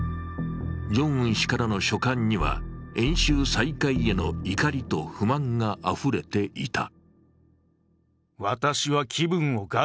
ジョンウン氏からの書簡には演習再開への怒りと不満があふれていた。